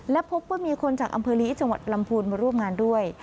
และพบว่ามีคนจากอำเภอลีจังหวัดลำพูนมาร่วมงานด้วย